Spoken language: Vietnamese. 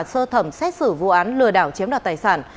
sơ thẩm xét xử vụ án lừa đảo chiếm đoạt tài sản